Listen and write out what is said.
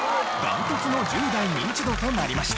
断トツの１０代ニンチドとなりました。